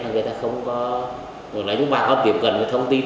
người ta không có nếu bà có tiếp cận với thông tin